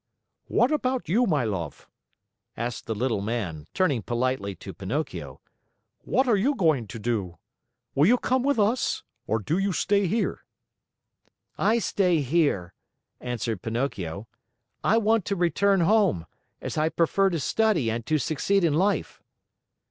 "What about you, my love?" asked the Little Man, turning politely to Pinocchio. "What are you going to do? Will you come with us, or do you stay here?" "I stay here," answered Pinocchio. "I want to return home, as I prefer to study and to succeed in life."